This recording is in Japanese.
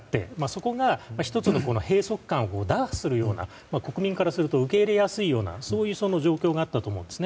そこが１つの閉塞感を打破するような国民からすると受け入れやすいような状況があったと思います。